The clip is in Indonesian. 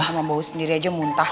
sama bau sendiri aja muntah